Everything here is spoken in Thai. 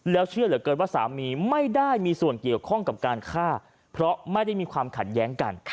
แล้วเชื่อเหลือเกินว่าสามีไม่ได้มีส่วนเกี่ยวข้องกับการฆ่าเพราะไม่ได้มีความขัดแย้งกัน